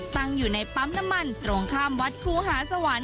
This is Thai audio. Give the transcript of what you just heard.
ตั้งอยู่ในปั๊มน้ำมันตรงข้ามวัดครูหาสวรรค์